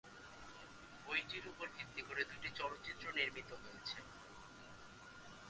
বইটির উপর ভিত্তি করে দুইটি চলচ্চিত্র নির্মিত হয়েছে।